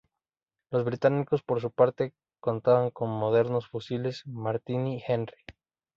Los británicos, por su parte, contaban con modernos fusiles Martini-Henry.